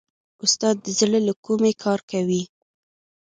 استاد د زړه له کومې کار کوي.